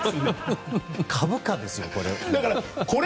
株価ですよ、これ。